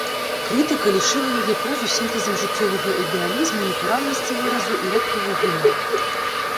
Крытыка лічыла яе прозу сінтэзам жыццёвага ідэалізму, натуральнасці выразу і рэдкага гумару.